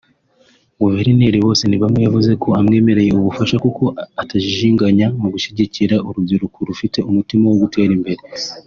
Guverineri Bosenibamwe yavuze ko “amwemereye ubufasha kuko atajijinganya mu gushyigikira urubyiruko rufite umutima wo gutera imbere